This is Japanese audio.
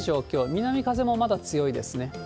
南風もまだ強いですね。